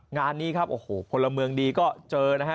งานนี้ครับโอ้โหพลเมืองดีก็เจอนะฮะ